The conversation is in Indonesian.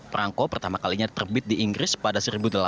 perangko pertama kalinya terbit di inggris pada seribu delapan ratus